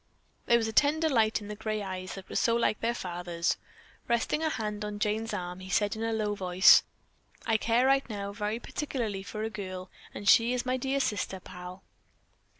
There was a tender light in the gray eyes that were so like their father's. Resting a hand on Jane's arm, he said in a low voice, "I care right now very particularly for a girl, and she is my dear sister pal."